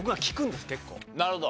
なるほど。